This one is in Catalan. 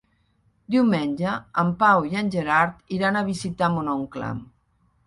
Diumenge en Pau i en Gerard iran a visitar mon oncle.